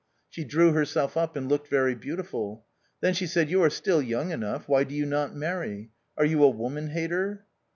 She drew herself up and looked very beautiful. Then she said, "you are still young enough, why do you not marry ? Are you a woman hater?"